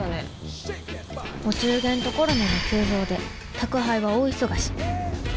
お中元とコロナの急増で宅配は大忙し。